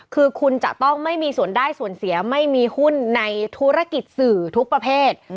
คือคุณจะต้องไม่มีส่วนได้ส่วนเสียไม่มีหุ้นในธุรกิจสื่อทุกประเภท